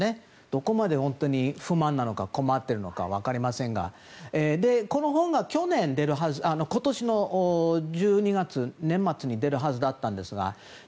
どこまで本当に不満なのか困っているのか分かりませんがこの本が今年の１２月、年末に出るはずだったんです。